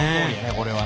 これはね。